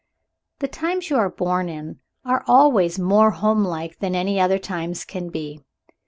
The times you are born in are always more home like than any other times can be.